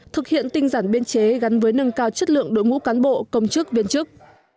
thực hiện tinh giản biên chế gắn với nâng cao chất lượng đội ngũ cán bộ công chức viên chức